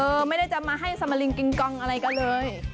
ไม่ได้จะมาให้สมลิงกิงกองอะไรกันเลย